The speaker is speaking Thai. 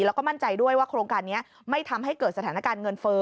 แล้วก็มั่นใจด้วยว่าโครงการนี้ไม่ทำให้เกิดสถานการณ์เงินเฟ้อ